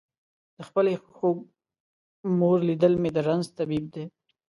د خپلې خوږ مور لیدل مې د رنځ طبیب دی.